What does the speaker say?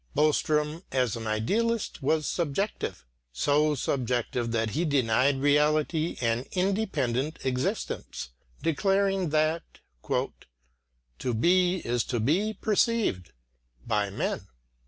Boström as an idealist was subjective so subjective that he denied reality an independent existence, declaring that, "to be is to be perceived (by men)."